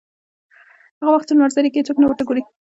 هغه وخت چې لمر ځلېږي هېڅوک نه ورته ګوري.